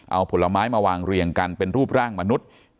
เอาผลไม้มาวางเรียงกันเป็นรูปร่างมนุษย์